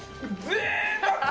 ぜいたく！